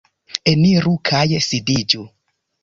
Eniru kaj sidiĝu!